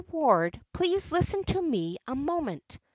Ward, please listen to me a moment.